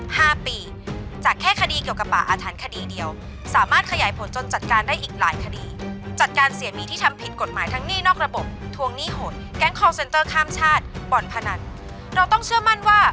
พ่อเปิ้ลคงได้เห็นที่ลูกพูดไปหมดล่ะแม่จะขัดใจพ่อเปิ้ลได้ก้า